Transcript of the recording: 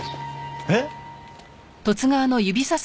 えっ？